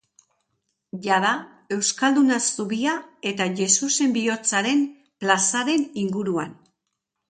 Jada Euskalduna zubia eta Jesusen Bihotzaren plazaren inguruan.